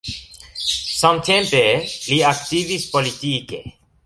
Samtempe, li aktivis politike.